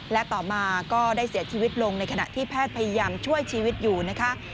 และต่อมาก็ได้เสียชีวิตลงในขณะที่แพทย์พยายามช่วยชีวิตอยู่นะคะ